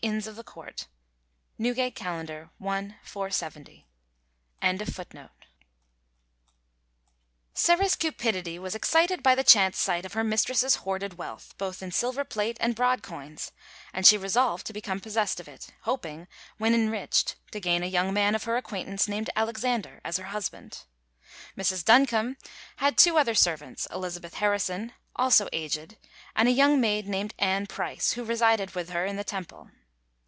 [282:1] Sarah's cupidity was excited by the chance sight of her mistress's hoarded wealth, both in silver plate and broad coins, and she resolved to become possessed of it, hoping when enriched to gain a young man of her acquaintance named Alexander as her husband. Mrs. Duncombe had two other servants, Elizabeth Harrison, also aged, and a young maid named Ann Price, who resided with her in the Temple.